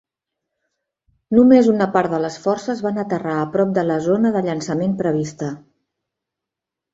Només una part de les forces van aterrar a prop de la zona de llançament prevista.